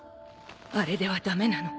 あれでは駄目なの。